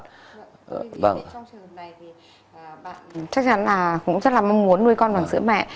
trong trường hợp này thì bạn chắc chắn là cũng rất là mong muốn nuôi con bằng sữa mẹ